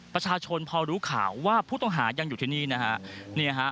ประชาชนพอรู้ข่าวว่าผู้ต้องหายังอยู่ที่นี่นะฮะ